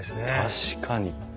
確かに。